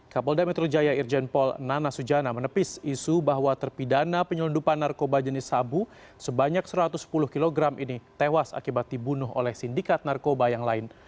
kapolda metro jaya irjen pol nana sujana menepis isu bahwa terpidana penyelundupan narkoba jenis sabu sebanyak satu ratus sepuluh kg ini tewas akibat dibunuh oleh sindikat narkoba yang lain